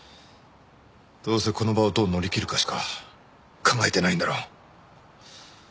どうせこの場をどう乗りきるかしか考えてないんだろ。